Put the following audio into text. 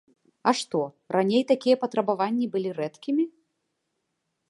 А што, раней такія патрабаванні былі рэдкімі?